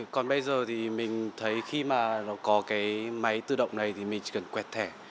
còn bây giờ thì mình thấy khi mà nó có cái máy tự động này thì mình cần quẹt thẻ